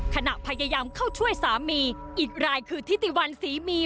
ขณะพยายามเข้าช่วยสามีอีกรายคือทิติวันศรีมี